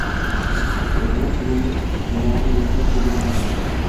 Qo‘ng‘irot tumani jamoasi “yoshlar kubogi” sohibi